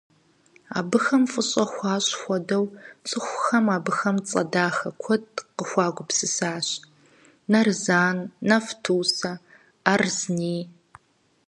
Абыхэм фӀыщӀэ хуащӀ хуэдэу цӀыхухэм абыхэм цӀэ дахэ куэд къыхуагупсысащ: «Нарзан», «Нафтусэ», «Арзни».